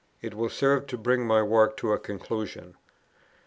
It will serve to bring my work to a conclusion.